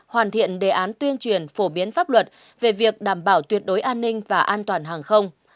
hoàn thiện đề án tuyên truyền phổ biến pháp luật về việc đảm bảo tuyệt đối an ninh và an toàn hàng không